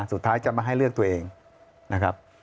สุดท้ายจะมาให้เลือกตัวเองนะครับ